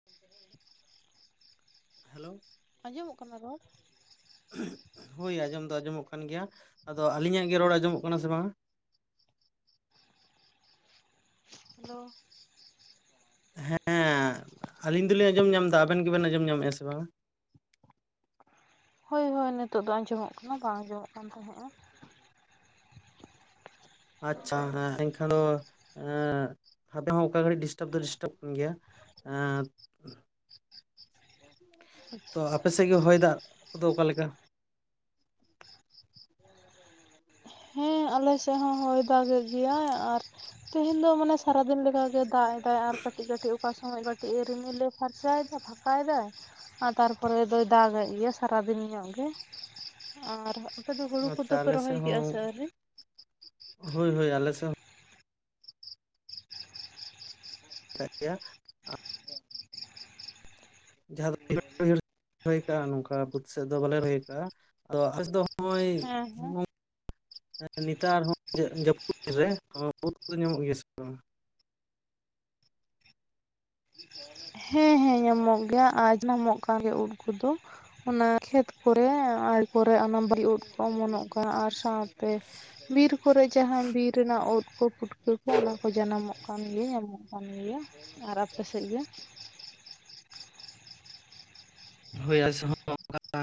[inaudible] Hello. ᱟᱸᱡᱚᱢᱚᱜ ᱠᱟᱱᱟ ᱨᱚᱲ? ᱦᱳᱭ ᱟᱸᱡᱚᱢ ᱫᱚ ᱟᱸᱡᱚᱢᱚᱜ ᱠᱟᱱ ᱜᱮᱭᱟ। ᱟᱫᱚ ᱟᱹᱞᱤᱧᱟᱜ ᱜᱮ ᱨᱚᱲ ᱟᱸᱡᱚᱢᱚᱜ ᱠᱟᱱᱟ ᱥᱮ ᱵᱟᱝᱟ? ᱦᱮᱞᱳ। ᱦᱮᱸ, ᱟᱞᱤᱧ ᱫᱚᱞᱤᱧ ᱟᱸᱡᱚᱢ ᱧᱟᱢ ᱮᱫᱟ। ᱟᱵᱮᱱ ᱜᱮᱵᱮᱱ ᱟᱸᱡᱚᱢ ᱧᱟᱢᱮᱜᱼᱟ ᱥᱮ ᱵᱟᱝᱟ? ᱦᱳᱭ ᱦᱳᱭ ᱱᱤᱛᱚᱜ ᱫᱚ ᱟᱸᱡᱚᱢᱚᱜ ᱠᱟᱱᱟ। ᱵᱟᱝ ᱟᱸᱡᱚᱢᱚᱜ ᱠᱟᱱ ᱛᱟᱦᱮᱸᱜᱼᱟ। ᱟᱪᱪᱷᱟ ᱦᱮᱸ। ᱮᱱᱠᱷᱟᱱ ᱫᱚ ᱮᱸ ᱦᱸᱟᱯᱮ ᱦᱚᱸ ᱚᱱᱠᱟ ᱜᱷᱟᱹᱲᱤᱡ ᱰᱤᱥᱴᱟᱵ ᱫᱚ ᱰᱤᱥᱴᱟᱵ ᱠᱟᱱ ᱜᱮᱭᱟ। ᱦᱮᱸᱛ ᱛᱚ ᱟᱯᱮ ᱥᱮᱫ ᱜᱮ ᱦᱚᱭ ᱫᱟᱜ ᱠᱚᱫᱚ ᱚᱠᱟ ᱞᱮᱠᱟ? ᱦᱮᱸ, ᱟᱞᱮ ᱥᱮᱫ ᱦᱚᱸ ᱦᱚᱭ ᱫᱟᱜᱮᱫ ᱜᱮᱭᱟᱭ ᱟᱨ ᱛᱮᱦᱮᱧ ᱫᱚ ᱢᱟᱱᱮ ᱥᱟᱨᱟᱫᱤᱱ ᱞᱮᱠᱟᱜᱮ ᱫᱟᱜ ᱮᱫᱟᱭ ᱟᱨ ᱠᱟᱹᱴᱤᱡ ᱠᱟᱹᱴᱤᱡ ᱚᱠᱟ ᱥᱚᱢᱚᱭ ᱠᱟᱹᱴᱤᱡ-ᱮ ᱨᱤᱢᱤᱞᱮ ᱯᱷᱟᱨᱪᱟᱭᱮᱫᱟ। ᱯᱷᱟᱠᱟᱭ ᱫᱟᱭ। ᱟᱨ ᱛᱟᱨᱯᱚᱨᱮ ᱫᱚᱭ ᱫᱟᱜᱮᱫ ᱜᱮᱭᱟ ᱥᱟᱨᱟᱫᱤᱱ ᱧᱚᱜ ᱜᱮ। ᱟᱨ ᱟᱯᱮ ᱫᱚ ᱦᱩᱲᱩ ᱟᱪᱪᱷᱟ ᱠᱚᱫᱚ ᱯᱮ ᱟᱞᱮ ᱨᱚᱦᱚᱭ ᱥᱮᱫ ᱦᱚᱸ ᱠᱮᱜᱼᱟ ᱥᱮ ᱟᱹᱣᱨᱤ? ᱦᱳᱭ ᱦᱳᱭ। ᱟᱞᱮ ᱥᱮᱫ ᱦᱚᱸ ᱠᱟᱜ ᱜᱮᱭᱟ। ᱡᱟᱦᱟᱸ ᱫᱚ [unintelligible] ᱨᱚᱦᱚᱭ ᱠᱟᱜᱼᱟ। ᱱᱚᱝᱠᱟ ᱵᱟᱹᱫᱽ ᱥᱮᱫ ᱫᱚ ᱵᱟᱞᱮ ᱨᱚᱦᱚᱭ ᱠᱟᱜᱼᱟ। ᱟᱫᱚ ᱟᱞᱥᱮᱫ ᱫᱚ ᱱᱚᱜᱼᱚᱭ ᱦᱮᱸ ᱱᱮᱛᱟᱨ ᱦᱚᱸ ᱡᱟ ᱡᱟᱹᱯᱩᱫ ᱨᱮ, ᱵᱩᱫᱽ ᱠᱚᱫᱚ ᱧᱟᱢᱚᱜ ᱜᱮᱭᱟ ᱥᱮ ᱵᱟᱝᱟ? ᱦᱮᱸ। ᱦᱮᱸ ᱧᱟᱢᱚᱜ ᱜᱮᱭᱟ। ᱟᱨ ᱧᱟᱢᱚᱜ ᱠᱟᱱ ᱜᱮᱭᱟ ᱩᱫᱽ ᱠᱚᱫᱚ। ᱚᱱᱟ ᱠᱷᱮᱛ ᱠᱚᱨᱮ, ᱛᱟᱨᱯᱚᱨᱮ ᱚᱱᱟ ᱵᱟᱞᱤ ᱩᱫᱽ ᱠᱚ ᱚᱢᱚᱱᱚᱜ ᱠᱟᱱᱟ। ᱟᱨ ᱥᱟᱶᱛᱮ ᱵᱤᱨ ᱠᱚᱨᱮ ᱡᱟᱦᱟᱸ ᱵᱤᱨ ᱨᱮᱱᱟᱜ ᱩᱫᱽ ᱠᱚ ᱯᱩᱴᱠᱟᱹ ᱠᱚ, ᱚᱱᱟ ᱠᱚ ᱡᱟᱱᱟᱢᱚᱜ ᱠᱟᱱ ᱜᱮᱭᱟ। ᱧᱟᱢᱚᱜ ᱠᱟᱱ ᱜᱮᱭᱟ। ᱟᱨ ᱟᱯᱮ ᱥᱮᱫ ᱜᱮ? ᱦᱳᱭ ᱟᱞᱮ ᱥᱮᱫ ᱦᱚᱸ ᱚᱱᱠᱟ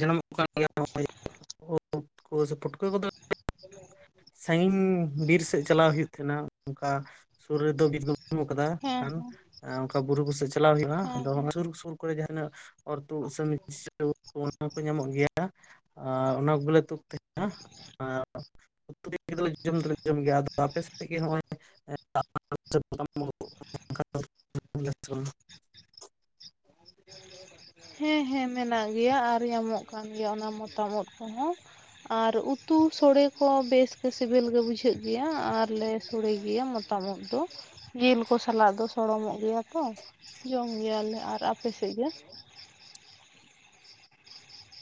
ᱡᱟᱱᱟᱢᱚᱜ ᱠᱟᱱ ᱜᱮᱭᱟ। [inaudible] ᱩᱫᱽ ᱠᱚ, ᱥᱮ ᱯᱩᱴᱠᱟᱹ ᱠᱚᱫᱚ ᱥᱟᱺᱜᱤᱧ ᱵᱤᱨ ᱥᱮᱫ ᱪᱟᱞᱟᱣ ᱦᱩᱭᱩᱜ ᱛᱟᱦᱮᱱᱟ। ᱚᱱᱠᱟ ᱥᱩᱨ ᱨᱮᱫᱚ ᱵᱤᱨ ᱫᱚ ᱱᱩᱜ ᱠᱟᱫᱟ ᱦᱮᱸ ᱠᱷᱟᱱ ᱚᱱᱠᱟ ᱵᱩᱨᱩ ᱠᱚ ᱥᱮᱫ ᱪᱟᱞᱟᱣ ᱦᱩᱭᱩᱜᱼᱟ। ᱦᱮᱸ ᱟᱫᱚ ᱦᱚᱸ-ᱚᱭ ᱥᱩᱨ ᱥᱩᱨ ᱠᱚᱨᱮ ᱡᱟᱦᱟᱛᱤᱱᱟᱹᱜ ᱚᱨ ᱛᱩᱫ ᱩᱫ ᱥᱮ [unintelligible] ᱚᱱᱟ ᱠᱚ ᱧᱟᱢᱚᱜ ᱜᱮᱭᱟ ᱟᱨ ᱚᱱᱟ ᱠᱚ ᱜᱮᱞᱮ ᱛᱩᱫᱽ ᱛᱟᱦᱮᱱᱟ᱾ ᱟᱨ [inaudible] ᱡᱚᱢ ᱫᱚᱞᱮ ᱡᱚᱢ ᱜᱮᱭᱟ, ᱟᱫᱚ ᱟᱯᱮ ᱥᱮᱫ ᱜᱮ ᱦᱚᱸᱜᱼᱚᱭ [inaudible] ᱦᱮᱸ ᱦᱮᱸ ᱢᱮᱱᱟᱜ ᱜᱮᱭᱟ ᱟᱨ ᱧᱟᱢᱚᱜ ᱠᱟᱱ ᱜᱮᱭᱟ ᱚᱱᱟ ᱢᱚᱛᱟᱢ ᱩᱫᱽ ᱠᱚᱦᱚᱸ᱾ ᱟᱨ ᱩᱛᱩ ᱥᱳᱲᱮ ᱠᱚ ᱵᱮᱥ ᱜᱮ ᱥᱮᱵᱮᱞ ᱜᱮ ᱵᱩᱡᱷᱟᱹᱜ ᱜᱮᱭᱟ ᱟᱨ ᱞᱮ ᱥᱳᱲᱮ ᱜᱮᱭᱟ ᱢᱚᱛ ᱛᱟᱢ ᱩᱫᱽ ᱫᱚ ᱡᱤᱞ ᱠᱚ ᱥᱟᱞᱟᱜ ᱫᱚ ᱥᱚᱲᱚᱢᱚᱜ ᱜᱮᱭᱟ ᱛᱚ᱾ ᱡᱚᱢ ᱜᱮᱭᱟᱞᱮ, ᱟᱨ ᱟᱯᱮ ᱥᱮᱫ ᱜᱮ?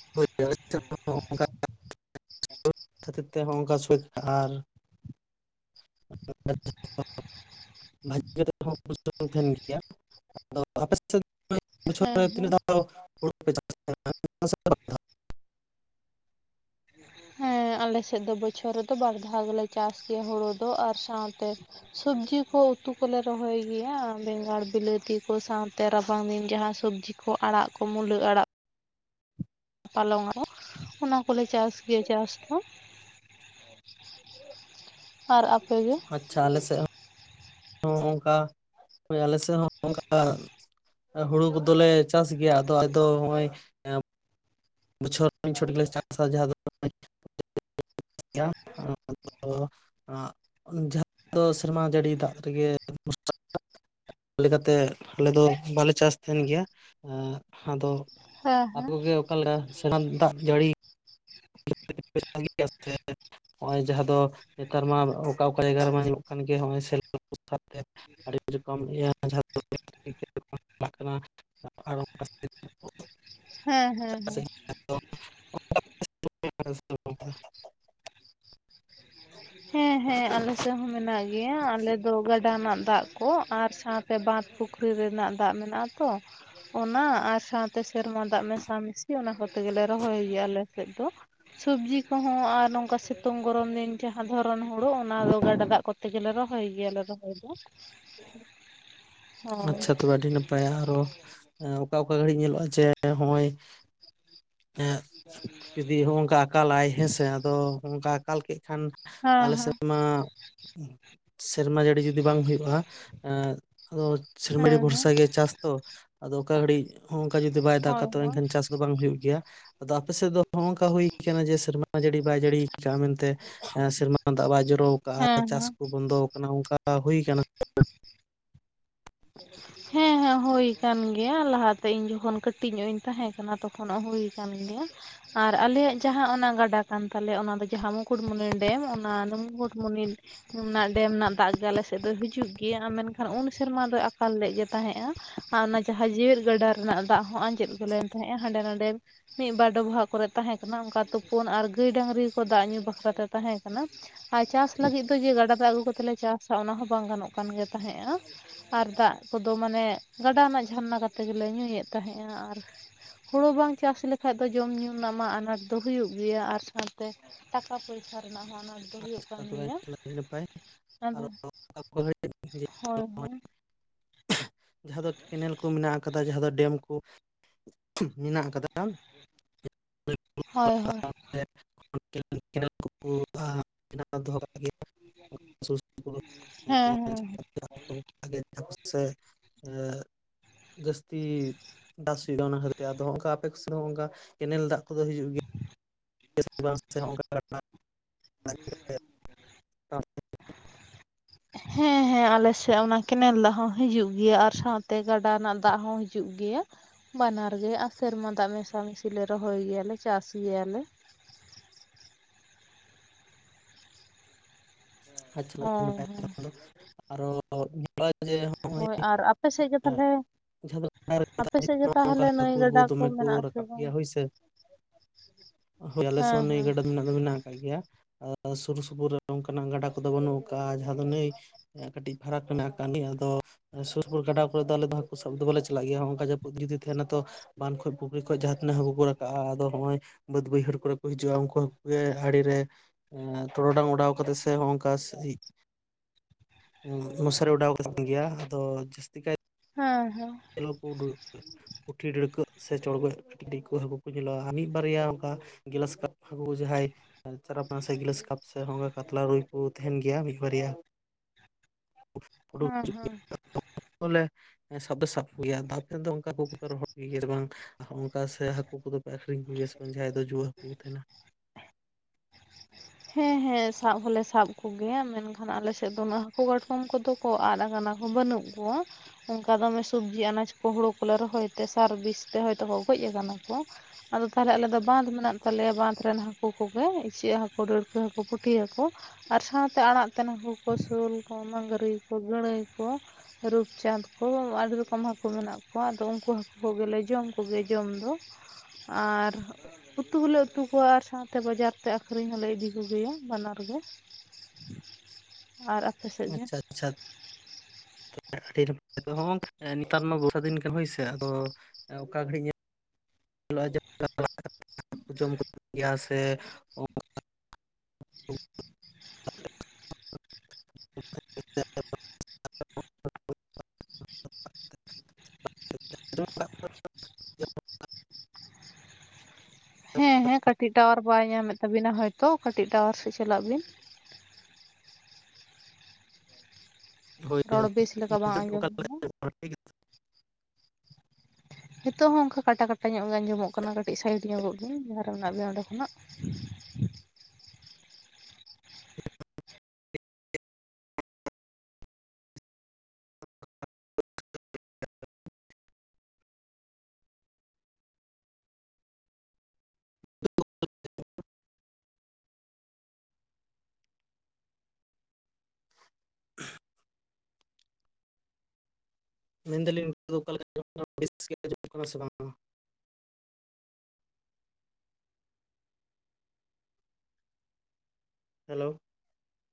[inaudible] ᱠᱷᱟᱹᱛᱤᱨ ᱛᱮ ᱦᱚᱸ ᱚᱱᱠᱟ [unintelligible] ᱟᱨ [inaudible] ᱦᱮᱸ ᱦᱮᱸ [inaudible] ᱦᱮᱸ ᱟᱞᱮ ᱥᱮᱫ ᱫᱚ ᱵᱚᱪᱷᱚᱨ ᱨᱮᱫᱚ ᱵᱟᱨ ᱫᱷᱟᱣ ᱜᱮᱞᱮ ᱪᱟᱥ ᱜᱮᱭᱟ ᱦᱳᱲᱳ ᱫᱚ ᱟᱨ ᱥᱟᱶᱛᱮ ᱥᱚᱵᱽᱡᱤ ᱠᱚ ᱩᱛᱩ ᱠᱚᱞᱮ ᱨᱚᱦᱚᱭ ᱜᱮᱭᱟ ᱵᱮᱸᱜᱟᱲ ᱵᱤᱞᱟᱹᱛᱤ ᱠᱚ ᱥᱟᱶᱛᱮ ᱨᱟᱵᱟᱝ ᱫᱤᱱ ᱡᱟᱦᱟᱸ ᱥᱚᱵᱽᱡᱤ ᱠᱚ ᱟᱲᱟᱜ ᱠᱚ ᱢᱩᱞᱟᱹ ᱟᱲᱟᱜ ᱯᱟᱞᱚᱝ [inaudible] ᱚᱱᱟ ᱠᱚᱞᱮ ᱪᱟᱥ ᱜᱮᱭᱟ ᱪᱟᱥ ᱫᱚ᱾ ᱟᱨ ᱟᱯᱮ ᱜᱮ? ᱟᱪᱪᱷᱟ ᱟᱞᱮ ᱥᱮᱜ ᱦᱚᱸ, [inaudible] ᱚᱱᱠᱟ ᱦᱳᱭ ᱟᱞᱮ ᱥᱮᱫ ᱦᱚᱸ [inaudible] ᱦᱩᱲᱩ ᱠᱚᱫᱚ ᱞᱮ ᱪᱟᱥ ᱜᱮᱭᱟ ᱟᱫᱚ [inaudible] ᱫᱚ ᱦᱚᱸᱜ-ᱚᱭ [inaudible] [inaudible] ᱫᱚ ᱥᱮᱨᱢᱟ ᱡᱟᱹᱲᱤ ᱫᱟᱜ ᱨᱮᱜᱮ [inaudible] ᱞᱮᱠᱟᱛᱮ ᱟᱞᱮ ᱫᱚ ᱵᱟᱞᱮ ᱪᱟᱥ ᱛᱟᱦᱮᱱ ᱜᱮᱭᱟ, ᱮ ᱟᱫᱚ ᱦᱮᱸ ᱟᱯᱮ ᱦᱮᱸ ᱠᱚᱜᱮ ᱚᱠᱟ ᱞᱮᱠᱟ [inaudible] ᱫᱟᱜ ᱡᱟᱹᱲᱤ [inaudible] ᱦᱚᱸᱜᱼᱚᱭ ᱡᱟᱦᱟᱸ ᱫᱚ ᱱᱮᱛᱟᱨ ᱢᱟ ᱚᱠᱟ ᱚᱠᱟ ᱡᱟᱭᱜᱟ ᱨᱮᱢᱟ ᱧᱟᱢᱚᱜ ᱠᱟᱱ ᱜᱮᱭᱟ ᱦᱚᱸᱜᱼᱚᱭ [inaudible] ᱟᱹᱰᱤ ᱨᱚᱠᱚᱢ ᱤᱭᱟᱹ [inaudible] ᱦᱮᱸ ᱦᱮᱸ ᱦᱮᱸ᱾ [inaudible] ᱦᱮᱸ ᱦᱮᱸ ᱟᱞᱮ ᱥᱮᱫ ᱦᱚᱸ ᱢᱮᱱᱟᱜ ᱜᱮᱭᱟ ᱟᱞᱮ ᱫᱚ ᱜᱟᱰᱟ ᱨᱮᱱᱟᱜ ᱫᱟᱜ ᱠᱚ ᱟᱨ ᱥᱟᱶᱛᱮ ᱵᱟᱸᱫᱽ ᱯᱩᱠᱷᱨᱤ ᱨᱮᱱᱟᱜ ᱫᱟᱜ ᱢᱮᱱᱟᱜᱼᱟ ᱛᱚ᱾ ᱚᱱᱟ ᱟᱨ ᱥᱟᱶᱛᱮ ᱥᱮᱨᱢᱟ ᱫᱟᱜ ᱢᱮᱥᱟ ᱢᱤᱥᱤ ᱚᱱᱟ ᱠᱚᱛᱮ ᱜᱮᱞᱮ ᱨᱚᱦᱚᱭ ᱜᱮᱭᱟ ᱟᱞᱮ ᱥᱮᱫ ᱫᱚ᱾ ᱥᱚᱵᱡᱤ ᱠᱚᱦᱚᱸ ᱟᱨ ᱱᱚᱝᱠᱟ ᱥᱤᱛᱩᱝ ᱜᱚᱨᱚᱢ ᱫᱤᱱ ᱡᱟᱦᱟᱸ ᱫᱷᱚ ᱨᱚᱱ ᱦᱩᱲᱩ ᱚᱱᱟ ᱫᱚ ᱜᱟᱰᱟ ᱫᱟᱜ ᱠᱚᱛᱮ ᱜᱮᱞᱮ ᱨᱚᱦᱚᱭ ᱜᱮᱭᱟᱞᱮ ᱨᱚᱦᱚᱭ ᱫᱚ᱾ ᱦᱳᱭ ᱟᱪᱪᱷᱟ ᱛᱚᱵᱮ ᱟᱹᱰᱤ ᱱᱟᱯᱟᱭᱟ ᱟᱨᱚ, ᱮᱸ ᱚᱠᱟ ᱚᱠᱟ ᱜᱷᱟᱹᱲᱤᱡ ᱧᱮᱞᱚᱜᱼᱟ ᱡᱮ ᱦᱚᱸᱜᱼᱚᱭ ᱮᱸᱜ ᱡᱩᱫᱤ ᱦᱚᱸᱜᱼᱚᱝᱠᱟ ᱟᱠᱟᱞᱟᱭ ᱦᱮᱸ ᱥᱮ, ᱟᱫᱚ ᱦᱚᱸᱜ-ᱚᱝᱠᱟ ᱟᱠᱟᱞ ᱠᱮᱫ ᱠᱷᱟᱱ ᱦᱮᱸ ᱟᱞᱮ ᱦᱮᱸ ᱥᱮᱫ ᱢᱟ ᱥᱮᱨᱢᱟ ᱡᱟᱹᱲᱤ ᱡᱩᱫᱤ ᱵᱟᱝ ᱦᱩᱭᱩᱜᱼᱟ, ᱮᱸ ᱟᱫᱚ ᱥᱮᱨᱢᱟ ᱡᱟᱲᱤ ᱦᱮᱸ ᱦᱮᱸ ᱵᱷᱚᱨᱥᱟ ᱜᱮ ᱪᱟᱥ ᱛᱚ, ᱟᱫᱚ ᱚᱠᱟ ᱜᱷᱟᱹᱲᱤᱡ ᱦᱚᱸᱜ-ᱚᱝᱠᱟ ᱡᱩᱫᱤ ᱵᱟᱭ ᱦᱳᱭ ᱫᱟᱜᱟ ᱛᱚ ᱦᱳᱭ ᱮᱱᱠᱷᱟᱱ ᱪᱟᱥ ᱫᱚ ᱵᱟᱝ ᱦᱩᱭᱩᱜ ᱜᱮᱭᱟ᱾ ᱟᱫᱚ ᱟᱯᱮ ᱥᱮᱫ ᱫᱚ ᱦᱚᱸᱜᱼᱚᱝᱠᱟ ᱦᱩᱭ ᱠᱟᱱᱟ ᱡᱮ ᱥᱮᱨᱢᱟ ᱡᱟᱹᱲᱤ ᱵᱟᱭ ᱡᱟᱹᱲᱤ ᱟᱠᱟᱜᱼᱟ ᱢᱮᱱᱛᱮ ᱮᱸ ᱥᱮᱨᱢᱟ ᱫᱟᱜ ᱵᱟᱭ ᱡᱚᱨᱚ ᱟᱠᱟᱜᱼᱟ ᱦᱮᱸ ᱦᱮᱸ ᱪᱟᱥ ᱠᱚ ᱵᱚᱱᱫᱚ ᱠᱟᱱᱟ ᱚᱱᱠᱟ ᱦᱩᱭ ᱠᱟᱱᱟ? ᱦᱮᱸ᱾ ᱦᱮᱸ ᱦᱳᱭ ᱠᱟᱱ ᱜᱮᱭᱟ, ᱞᱟᱦᱟ ᱛᱮ ᱤᱧ ᱡᱚᱠᱷᱚᱱ ᱠᱟᱹᱴᱤᱡ ᱧᱚᱜ ᱤᱧ ᱛᱟᱦᱮᱸ ᱠᱟᱱᱟ ᱛᱚᱠᱷᱚᱱᱚᱜ ᱦᱩᱭ ᱟᱠᱟᱱ ᱜᱮᱭᱟ᱾ ᱟᱨ ᱟᱞᱮᱭᱟᱜ ᱡᱟᱦᱟᱸ ᱚᱱᱟ ᱜᱟᱰᱟ ᱠᱟᱱ ᱛᱟᱞᱮᱭᱟ ᱚᱱᱟ ᱫᱚ ᱡᱟᱦᱟᱸ ᱢᱩᱠᱩᱴᱢᱩᱱᱤ ᱰᱮᱢ ᱚᱱᱟ ᱫᱚ ᱢᱩᱠᱩᱴᱢᱩᱱᱤ ᱚᱱᱟ ᱰᱮᱢ ᱨᱮᱱᱟᱜ ᱫᱟᱜ ᱜᱮ ᱟᱞᱮ ᱥᱮᱫ ᱫᱚ ᱦᱤᱡᱩᱜ ᱜᱮᱭᱟ ᱢᱮᱱᱠᱷᱟᱱ ᱩᱱ ᱥᱮᱨᱢᱟ ᱫᱚᱭ ᱟᱠᱟᱞ ᱞᱮᱜ ᱜᱮ ᱛᱟᱦᱮᱸᱫᱼᱟ᱾ ᱟᱨ ᱚᱱᱟ ᱡᱟᱦᱟᱸ ᱡᱮᱣᱮᱫ ᱜᱟᱰᱟ ᱨᱮᱱᱟᱜ ᱫᱟᱜ ᱦᱚᱸ ᱟᱡᱮᱸᱫ ᱞᱮᱱ ᱛᱟᱦᱮᱸᱜᱼᱟ ᱦᱟᱸᱰᱮ ᱱᱟᱰᱮ᱾ ᱢᱤᱫᱵᱟᱨ ᱰᱚᱵᱷᱟᱜ ᱠᱚᱨᱮ ᱛᱟᱦᱮᱸ ᱠᱟᱱᱟ ᱚᱱᱠᱟ ᱛᱩᱯᱩᱱ ᱟᱨ ᱜᱟᱹᱭ ᱰᱟᱝᱨᱤ ᱠᱚ ᱫᱟᱜ ᱧᱩ ᱵᱟᱠᱷᱨᱟᱛᱮ ᱛᱟᱦᱮᱸ ᱠᱟᱱᱟ᱾ ᱟᱨ ᱪᱟᱥ ᱞᱟᱹᱜᱤᱫ ᱫᱚ ᱡᱮ ᱜᱟᱰᱟᱛᱮ ᱟᱹᱜᱩ ᱞᱮ ᱪᱟᱥᱟ ᱚᱱᱟ ᱦᱚᱸ ᱵᱟᱝ ᱜᱟᱱᱚᱜ ᱠᱟᱱ ᱜᱮ ᱛᱟᱦᱮᱸᱫᱼᱟ᱾ ᱟᱨ ᱫᱟᱜ ᱠᱚᱫᱚ ᱢᱟᱱᱮ ᱜᱟᱰᱟ ᱨᱮᱱᱟᱜ ᱡᱷᱟᱨᱱᱟ ᱠᱟᱛᱮ ᱜᱮᱞᱮ ᱧᱩᱭᱮᱜ ᱛᱟᱦᱮᱸᱜᱼᱟ ᱟᱨ ᱦᱳᱲᱳ ᱵᱟᱝ ᱪᱟᱥ ᱞᱮᱠᱷᱟᱡ ᱫᱚ ᱡᱚᱢᱼᱧᱩ ᱨᱮᱱᱟᱜ ᱢᱟ ᱟᱱᱟᱴ ᱫᱚ ᱦᱩᱭᱩᱜ ᱜᱮᱭᱟ ᱟᱨ ᱥᱟᱶᱛᱮ ᱴᱟᱠᱟ ᱯᱚᱭᱥᱟ ᱨᱮᱱᱟᱜ ᱦᱚᱸ ᱟᱱᱟᱴ ᱫᱚ ᱦᱳᱭᱤᱜ ᱠᱟᱱ ᱜᱮᱭᱟ ᱟᱹᱰᱤ ᱱᱟᱯᱟᱭ ᱟᱫᱚ ᱟᱨ ᱦᱳᱭ ᱦᱳᱭ᱾ ᱡᱟᱦᱟᱸ ᱫᱚ ᱠᱮᱱᱮᱞ ᱠᱚ ᱢᱮᱱᱟᱜ ᱟᱠᱟᱫᱟ ᱡᱟᱦᱟᱸ ᱫᱚ ᱰᱮᱢ ᱠᱚ ᱢᱮᱱᱟᱜ ᱟᱠᱟᱫᱟ᱾ ᱦᱳᱭ ᱦᱳᱭ ᱠᱮᱱ [inaudible] ᱵᱮᱱᱟᱣ ᱫᱚᱦᱚ ᱠᱟᱜ ᱜᱮᱭᱟ ᱥᱩᱨ ᱥᱩᱯᱩᱨ ᱦᱮᱸ ᱦᱮᱸ [inaudible] [unintelligible] ᱥᱮ ᱡᱟᱹᱥᱛᱤ ᱪᱟᱥ ᱦᱩᱭᱩᱜᱼᱟ ᱚᱱᱟ ᱠᱷᱟᱹᱛᱤᱨ ᱟᱫᱚ ᱱᱚᱝᱠᱟ ᱟᱯᱮ ᱠᱚ ᱥᱮᱫ ᱦᱚᱸ ᱠᱮᱱᱮᱞ ᱫᱟᱜ ᱠᱚᱫᱚ ᱦᱤᱡᱩᱜ ᱜᱮᱭᱟ᱾ [unintelligible] [inaudible] ᱦᱮᱸ ᱦᱮᱸ ᱟᱞᱮᱥᱮᱜ ᱚᱱᱟ ᱠᱮᱱᱮᱞ ᱫᱟᱜ ᱦᱚᱸ ᱦᱟᱹᱡᱩᱜ ᱜᱮᱭᱟ ᱟᱨ ᱥᱟᱶᱛᱮ ᱜᱟᱰᱟ ᱨᱮᱱᱟᱜ ᱫᱟᱜ ᱦᱚᱸ ᱦᱟᱹ ᱦᱤᱡᱩᱜ ᱜᱮᱭᱟ ᱵᱟᱱᱟᱨ ᱜᱮ ᱟᱨ ᱥᱮᱨᱢᱟ ᱫᱟᱜ ᱢᱮᱥᱟᱢᱤᱥᱤᱞᱮ ᱨᱚᱦᱚᱭ ᱜᱮᱭᱟᱞᱮ ᱪᱟᱥ ᱜᱮᱭᱟᱞᱮ᱾ ᱟᱪᱪᱷᱟ ᱟᱹᱰᱤ ᱦᱳᱭ ᱱᱟᱯᱟᱭ ᱦᱳᱭ ᱠᱟᱛᱷᱟ ᱫᱚ ᱟᱨᱚ [unintelligible] ᱡᱮ ᱱᱚᱜᱼᱚᱭ ᱦᱳᱭ ᱟᱨ ᱟᱯᱮ ᱥᱮᱜ ᱜᱮ ᱛᱟᱦᱚᱞᱮ ᱡᱟᱦᱟᱸ ᱟᱯᱮ ᱥᱮᱫ ᱜᱮ ᱫᱚ ᱱᱚᱝᱠᱟ ᱛᱟᱦᱚᱞᱮ ᱱᱟᱹᱭ ᱦᱟᱹᱠᱩ ᱜᱟᱰᱟ ᱠᱚ ᱫᱚᱢᱮ ᱢᱮᱱᱟᱜ ᱟᱥᱮ ᱨᱟᱠᱟᱵ ᱵᱟᱝ? ᱜᱮᱭᱟ ᱦᱳᱭ ᱥᱮ ᱦᱳᱭ ᱟᱞᱮ ᱥᱮᱜ ᱦᱮᱸ ᱦᱚᱸ ᱱᱟᱹᱭ ᱦᱮᱸ ᱜᱟᱰᱟ ᱢᱮᱱᱟᱜ ᱫᱚ ᱢᱮᱱᱟᱜ ᱠᱟᱜ ᱜᱮᱭᱟ ᱟᱨ ᱥᱩᱨ ᱥᱩᱯᱩᱨ ᱚᱱᱠᱟᱱᱟᱜ ᱜᱟᱰᱟ ᱠᱚ ᱠᱚᱫᱚ ᱵᱟᱹᱱᱩᱜ ᱠᱟᱜᱼᱟ ᱡᱟᱦᱟᱸ ᱫᱚ ᱱᱟᱹᱭ ᱠᱟᱹᱴᱤᱡ ᱯᱷᱟᱨᱟᱠ ᱢᱮᱱᱟᱜ ᱟᱠᱟ ᱟᱫᱚ ᱥᱳᱨ ᱯᱩᱨ ᱜᱟᱰᱟ ᱠᱚᱨᱮ ᱫᱚ ᱟᱞᱮ ᱫᱚ ᱦᱟᱹᱠᱩ ᱥᱟᱵ ᱫᱚᱞᱮ ᱵᱟᱞᱮ ᱪᱟᱞᱟᱜ ᱜᱮᱭᱟ ᱱᱚᱼᱚᱭᱝᱠᱟ ᱡᱟᱹᱯᱩᱫ ᱡᱩᱫᱤ ᱛᱟᱦᱮᱱᱟ ᱛᱚ ᱵᱟᱱ ᱠᱷᱚᱡ ᱯᱩᱠᱷᱨᱤ ᱠᱷᱚᱡ ᱡᱟᱦᱟᱸ ᱛᱤᱱᱟᱹᱜ ᱦᱟᱹᱠᱩ ᱠᱚ ᱨᱟᱠᱟᱵᱼᱟ ᱟᱫᱚ ᱱᱚᱜᱚᱭ ᱵᱟᱹᱫ ᱵᱟᱹᱭᱦᱟᱹᱲ ᱠᱚᱨᱮ ᱠᱚ ᱦᱤᱡᱩᱜᱼᱟ ᱩᱱᱠᱩ ᱦᱟᱠᱳ ᱜᱮ ᱟᱲᱮᱨᱮ ᱴᱚᱨᱚᱰᱟᱝ ᱚᱰᱟᱣ ᱠᱟᱛᱮᱜ ᱥᱮ ᱦᱚᱜ [unintelligible] ᱢᱚᱥᱟᱨᱤ ᱚᱰᱟᱣ ᱠᱟ ᱛᱟᱦᱮᱱ ᱜᱮᱭᱟ ᱟᱫᱚ ᱡᱟᱹᱥᱛᱤ ᱠᱟᱭ ᱦᱮᱸ ᱦᱮᱸ᱾ ᱪᱮᱞᱚ ᱠᱚ ᱯᱩᱴᱷᱤ ᱰᱟᱹᱲᱠᱟᱹᱜ ᱥᱮ ᱪᱚᱲᱜᱚᱡ ᱠᱟᱹᱴᱤᱡ ᱴᱤᱡ ᱦᱟᱹᱠᱩ ᱠᱚ ᱧᱮᱞᱚᱜᱼᱟ ᱟᱨ ᱢᱤᱫ ᱵᱟᱨᱭᱟ ᱚᱱᱠᱟ ᱜᱞᱟᱥ ᱠᱟᱯ ᱦᱟᱹᱠᱩ ᱠᱚ ᱡᱟᱦᱟᱸᱭ ᱪᱟᱨᱟᱯ ᱥᱮ ᱜᱞᱟᱥ ᱠᱟᱯ ᱥᱮ ᱦᱚᱸᱠᱟ ᱠᱟᱛᱞᱟ ᱨᱩᱭ ᱠᱚ ᱛᱟᱦᱮᱱ ᱜᱮᱭᱟ ᱢᱤᱫ ᱵᱟᱨᱭᱟ᱾ [unintelligible] ᱦᱮᱸ ᱦᱮᱸ ᱵᱚᱞᱮ ᱥᱟᱵ ᱫᱚ ᱥᱟᱵ᱾ ᱜᱮᱭᱟ ᱛᱟᱯᱚᱨᱮ ᱚᱝᱠᱟ [unintelligible] ᱵᱟᱝ ᱾ ᱟᱨ ᱚᱱᱠᱟ ᱥᱮ ᱦᱟᱹᱠᱩ ᱠᱚᱫᱚ ᱯᱮ ᱟᱠᱷᱨᱤᱧ ᱠᱚᱜᱮᱭᱟ ᱥᱮ ᱵᱟᱝ ᱡᱟᱦᱟᱸᱭ ᱫᱚ ᱡᱩᱣᱟᱹ ᱦᱟᱹᱠᱩ ᱠᱚ ᱛᱟᱦᱮᱱᱟ? ᱦᱮᱸ ᱦᱮᱸ ᱥᱟᱵ ᱦᱚᱞᱮ ᱥᱟᱵ ᱠᱚᱜᱮᱭᱟ ᱢᱮᱱᱠᱷᱟᱱ ᱟᱞᱮᱥᱮᱫ ᱫᱚ ᱩᱱᱟᱹᱜ ᱦᱟᱹᱠᱩ ᱠᱟᱴᱠᱚᱢ ᱠᱚᱫᱚ ᱠᱚ ᱟᱫ ᱠᱟᱱᱟ ᱠᱚ ᱵᱟᱹᱱᱩᱜ ᱠᱚᱣᱟ᱾ ᱚᱱᱠᱟ ᱫᱚᱢᱮ ᱥᱚᱵᱽᱡᱤ ᱟᱱᱟᱡᱽ ᱠᱚ ᱦᱳᱲᱳ ᱠᱚᱞᱮ ᱨᱚᱦᱚᱭ ᱛᱮ ᱥᱟᱨ ᱵᱤᱥ ᱛᱮ ᱦᱚᱭᱛᱚ ᱠᱚ ᱜᱚᱡ ᱠᱟᱱᱟ ᱠᱚ᱾ ᱟᱫᱚ ᱛᱟᱦᱚᱞᱮ ᱫᱚ ᱵᱟᱸᱫ ᱢᱮᱱᱟᱜ ᱛᱟᱞᱮᱭᱟ ᱵᱟᱸᱫᱷ ᱨᱮᱱ ᱦᱟᱠᱳ ᱠᱚᱜᱮ᱾ ᱤᱪᱟᱹᱜ ᱦᱟᱹᱠᱩ, ᱰᱟᱹᱲᱠᱟᱹ ᱦᱟᱹᱠᱩ, ᱯᱩᱴᱷᱤ ᱦᱟᱹᱠᱩ ᱟᱨ ᱥᱟᱶᱛᱮ ᱟᱲᱟᱜ ᱛᱮᱱ ᱦᱟᱹ ᱞᱠᱳ ᱠᱚ ᱥᱳᱞ ᱠᱚ ᱢᱟᱸᱝᱨᱤ ᱠᱚ ᱜᱟᱹᱬᱟᱹᱭ ᱠᱚ᱾ ᱨᱩᱯᱪᱟᱸᱫᱽ ᱠᱚ ᱟᱹᱰᱤ ᱨᱚᱠᱚᱢ ᱦᱟᱹᱠᱩ ᱢᱮᱱᱟᱜ ᱠᱚᱣᱟ ᱟᱫᱚ ᱩᱱᱠᱩ ᱦᱟᱹᱠᱩ ᱠᱚᱜᱮᱞᱮ ᱡᱚᱢ ᱠᱚᱜᱮ ᱡᱚᱢ ᱫᱚ᱿ ᱟᱨ ᱩᱛᱩ ᱦᱚᱸᱞᱮ ᱩᱛᱩ ᱠᱚᱣᱟ ᱟᱨ ᱥᱟᱶᱛᱮ ᱵᱟᱡᱟᱨ ᱛᱮ ᱟᱹᱷᱨᱤᱧ ᱦᱚᱸᱞᱮ ᱤᱫᱤ ᱠᱚᱜᱮᱭᱟ ᱵᱟᱱᱟᱨ ᱜᱮ ᱟᱨ ᱟᱯᱮ ᱥᱮᱫ ᱜᱮ ᱟᱪᱪᱷᱟ ᱟᱪᱪᱷᱟ᱾ [inaudible] [unintelligible] ᱱᱮᱛᱟᱨ ᱢᱟ ᱵᱚᱨᱥᱟ ᱫᱤᱱ ᱠᱟᱱᱟ ᱦᱳᱭ ᱥᱮ᱾ ᱚᱠᱟ ᱜᱷᱟᱹᱲᱤᱡ ᱧᱮᱞᱚᱜ-ᱟ ᱡᱮ [unintelligible] ᱜᱮᱭᱟ ᱥᱮ [inaudible] [inaudible] ᱦᱮᱸ ᱦᱮᱸ ᱠᱟᱴᱤᱡ ᱴᱟᱣᱟᱨ ᱵᱟᱭ ᱧᱟᱢᱮᱫ ᱛᱟᱵᱤᱱᱟ ᱦᱚᱭᱛᱚ ᱠᱟᱴᱤᱡ ᱴᱟᱣᱟᱨ ᱥᱮᱫ ᱪᱟᱞᱟᱜ ᱵᱤᱱ ᱾ ᱦᱳᱭ ᱨᱚᱲ ᱵᱮᱥ ᱞᱮᱠᱟ ᱵᱟᱝ ᱱᱤᱛᱚᱜ ᱟᱸᱡᱚᱢ ᱞᱮᱱᱟ ᱾ [inaudible] ᱱᱤᱛᱚᱜ ᱦᱚᱸ ᱚᱝᱠᱟ ᱠᱟᱴᱟ ᱠᱟᱴᱟ ᱧᱚᱜ ᱟᱸᱡᱚᱢᱚᱜ ᱠᱟᱱᱟ ᱠᱟᱹᱴᱤᱡ ᱥᱟᱭᱤᱰ ᱧᱚᱜᱚᱜ ᱵᱤᱱ ᱡᱟᱦᱟᱸ ᱨᱮ ᱢᱮᱱᱟᱜ ᱵᱤᱭᱟ ᱚᱸᱰᱮ ᱠᱷᱚᱱᱟᱜ ᱾ [inaudible] ᱢᱮᱱ ᱫᱟᱞᱤᱧ ᱱᱤᱛᱚᱜ ᱫᱚ ᱚᱞᱟ ᱞᱮᱠᱟ ᱟᱸᱡᱚᱢᱚᱜ ᱠᱟᱱᱟ ᱵᱮᱥ ᱜᱮ ᱟᱸᱡᱚᱢᱚᱜ ᱠᱟᱱᱟ ᱥᱮ ᱵᱟᱝ? ᱦᱮᱞᱳ!